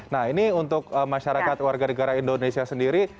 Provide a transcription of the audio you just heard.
nah ini untuk masyarakat warga negara indonesia sendiri